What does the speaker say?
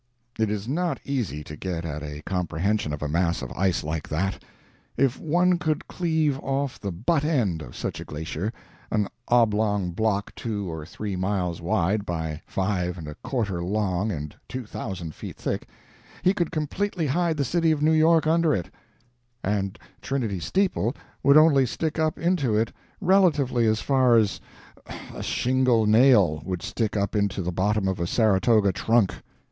It is not easy to get at a comprehension of a mass of ice like that. If one could cleave off the butt end of such a glacier an oblong block two or three miles wide by five and a quarter long and two thousand feet thick he could completely hide the city of New York under it, and Trinity steeple would only stick up into it relatively as far as a shingle nail would stick up into the bottom of a Saratoga trunk.